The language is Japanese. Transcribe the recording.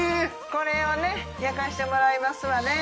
これをね焼かしてもらいますわね